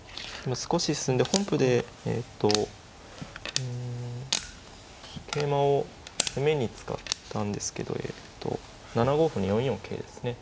少し進んで本譜でえと桂馬を攻めに使ったんですけど７五歩に４四桂ですね。